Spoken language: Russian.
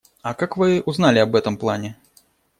А как вы узнали об этом плане?